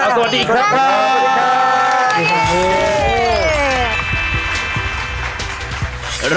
สวัสดีครับ